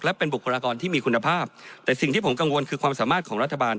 และเป็นบุคลากรที่มีคุณภาพแต่สิ่งที่ผมกังวลคือความสามารถของรัฐบาล